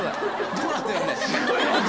どうなってんの？